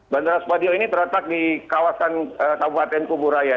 bandara spadio ini terletak di kawasan kabupaten kuburaya